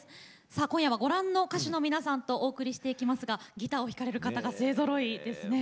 さあ今夜はご覧の歌手の皆さんとお送りしていきますがギターを弾かれる方が勢ぞろいですね。